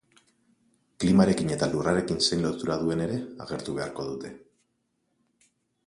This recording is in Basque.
Klimarekin eta lurrarekin zein lotura duen ere agertu beharko dute.